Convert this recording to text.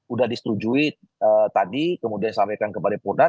udah disetujui tadi kemudian disampaikan kembali purnan